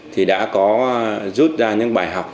thì đã có rút ra những bài học